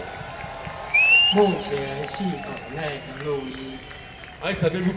目前系統內的錄音